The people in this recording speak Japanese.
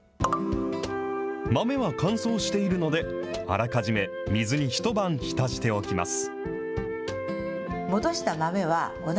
豆は乾燥しているので、あらかじめ水に一晩浸しておきます。